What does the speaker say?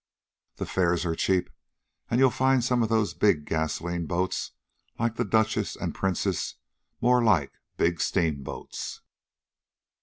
The fares are cheap, and you'll find some of those big gasoline boats, like the Duchess and Princess, more like big steamboats."